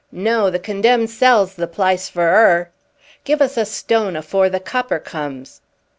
"No; the condemned cell's the plice for 'er!" "Give us a stone afore the copper comes!"